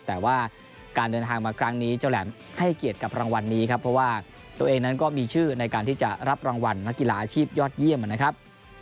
แต่ว่าการเดินทางมาครั้งนี้เจ้าแหลมให้เกียรติกับรางวัลนี้ครับเพราะว่าตัวเองนั้นก็มีชื่อในการที่จะรับรางวัลนักกีฬาอาชีพยอดเยี่ยมนะครับ